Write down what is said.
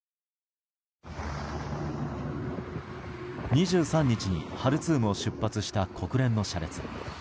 ２３日にハルツームを出発した国連の車列。